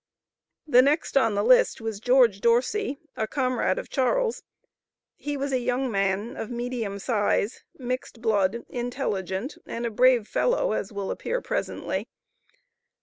The next on the list was George Dorsey, a comrade of Charles. He was a young man, of medium size, mixed blood, intelligent, and a brave fellow as will appear presently.